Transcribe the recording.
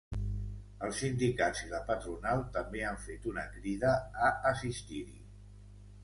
Els sindicats i la patronal també han fet una crida a assistir-hi.